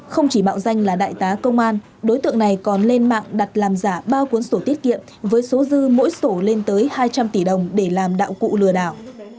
không chỉ mạo danh là đại tá công an đối tượng này còn lên mạng đặt làm giả ba cuốn sổ tiết kiệm với số dư mỗi sổ lên tới hai trăm linh tỷ đồng để làm đạo cụ lừa đảo